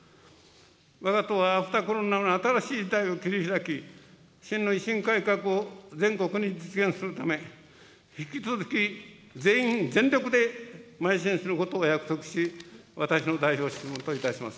わが党はアフターコロナの新しい時代を切り開き、真の維新改革を全国に実現するため、引き続き全員、全力でまい進することをお約束し、私の代表質問といたします。